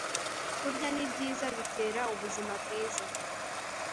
Kurya nibyiza bitera ubuzima bwiza